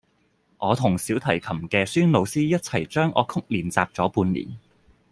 我同小提琴嘅孫老師一齊將樂曲練習咗半年